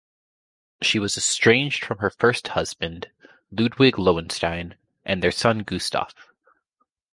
She was estranged from her first husband, Ludwig Lowenstein, and their son Gustaf.